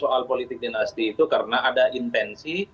soal politik dinasti itu karena ada intensi